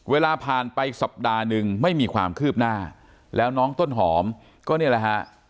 เวลาผ่านไปสัปดาห์หนึ่งไม่มีความคืบหน้าแล้วน้องต้นหอมก็เนี่ยแหละฮะ